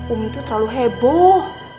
umi tuh terlalu heboh